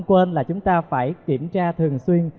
quên là chúng ta phải kiểm tra thường xuyên